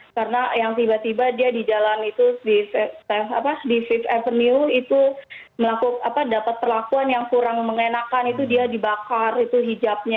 karena yang tiba tiba dia di jalan itu di fifth avenue itu melakukan apa dapat perlakuan yang kurang mengenakan itu dia dibakar itu hijabnya